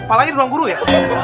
pak lagis di ruang guru ya